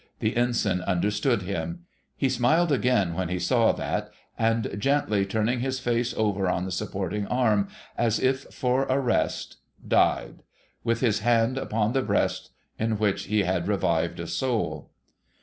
The Ensign understood him. Pie smiled again when he saw that, and, gently turning his face over on the sui:»porting arm as if for rest, died, with his hand upon the breast in which he had revived a soul.